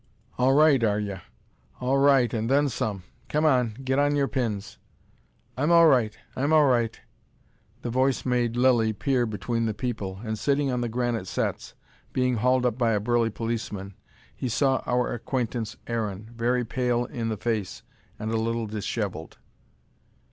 "All right, are yer! All right, and then some, come on, get on your pins." "I'm all right! I'm all right." The voice made Lilly peer between the people. And sitting on the granite setts, being hauled up by a burly policeman, he saw our acquaintance Aaron, very pale in the face and a little dishevelled.